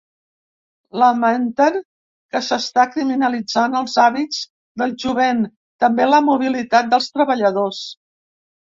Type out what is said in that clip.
Lamenten que s’està “criminalitzant els hàbits del jovent”, també la mobilitat dels treballadors.